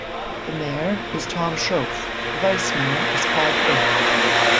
The Mayor is Tom Schoaf, the Vice Mayor is Paul Faith.